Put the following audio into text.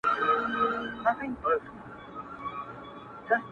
هم تر وروڼو هم خپلوانو سره ګران وه -